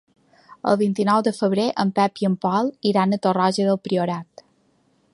El vint-i-nou de febrer en Pep i en Pol iran a Torroja del Priorat.